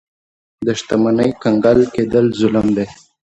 د شتمنۍ کنګل کېدل ظلم دی.